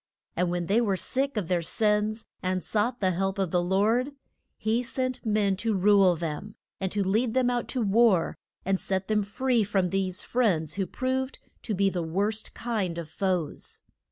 And when they were sick of their sins, and sought the help of the Lord, he sent men to rule them, and to lead them out to war and set them free from these friends who proved to be the worst kind of foes.